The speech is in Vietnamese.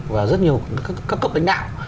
và rất nhiều các cấp đánh đạo